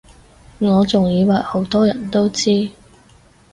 我仲以爲好多人都知